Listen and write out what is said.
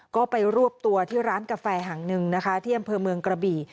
ก็ไปรวบตัวที่ร้านกาแฟแห่งหนึ่งนะคะที่อำเภอเมืองกระบี่